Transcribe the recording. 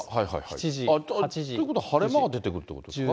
７時、８時。ということは晴れ間が出てくるということですか？